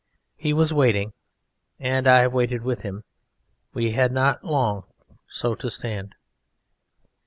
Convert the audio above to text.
He was waiting, and I waited with him: we had not long so to stand.